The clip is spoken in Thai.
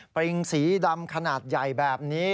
ปริงสีดำขนาดใหญ่แบบนี้